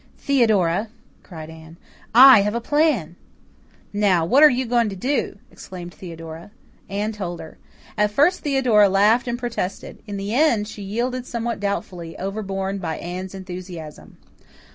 "Theodora," cried Anne, "I have a plan!" "Now, what are you going to do?" exclaimed Theodora. Anne told her. At first Theodora laughed and protested. In the end, she yielded somewhat doubtfully, overborne by Anne's enthusiasm.